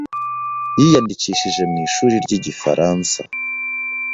yiyandikishije mu ishuri ryigifaransa.